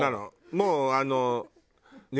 もうあのねっ。